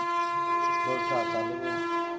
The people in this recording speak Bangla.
দ্বোরকা, চা দেব?